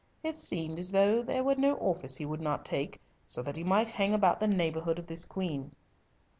It seemed as though there were no office he would not take so that he might hang about the neighbourhood of this queen."